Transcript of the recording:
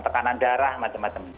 tekanan darah macam macam